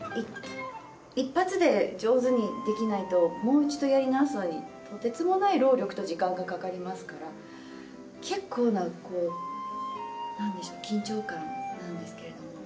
一発で上手にできないともう一度やり直すのにとてつもない労力と時間がかかりますから結構な緊張感なんですけれども。